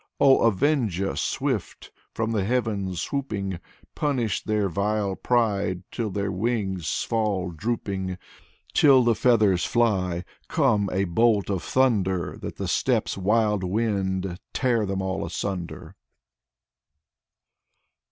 Oh, avenge us swift, From the heavens swooping; Punish their vile pride Till their wings fall drooping: Till the feathers fly; Come, a bolt of thunder. That the steppe's wild wind Tear them all asunder.